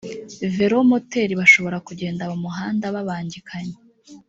velomoteri bashobora kugenda mu muhanda babangikanye